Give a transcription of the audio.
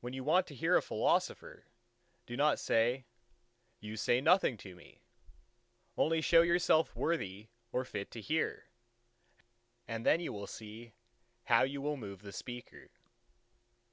When you want to hear a philosopher, do not say, You say nothing to me'; only show yourself worthy or fit to hear, and then you will see how you will move the speaker."